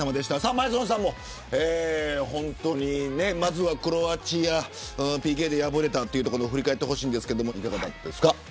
前園さんも、まずはクロアチアＰＫで敗れたというところ振り返ってほしいんですがいかがですか。